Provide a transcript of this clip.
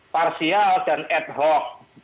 parsial dan ad hoc